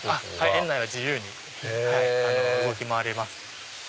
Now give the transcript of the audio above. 園内は自由に動き回れます。